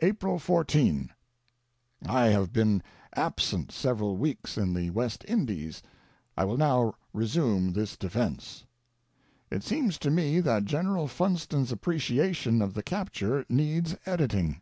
620 THE NORTH AMERICAN REVIEW. April 14. I have been absent several weeks in the West Indies ; I will now resume this Defence. It seems to me that General Funston's appreciation of the Cap ture needs editing.